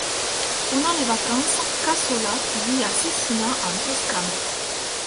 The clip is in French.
Pendant les vacances, Cassola vit à Cecina en Toscane.